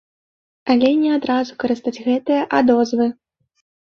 Але не адразу карыстаць гэтыя адозвы.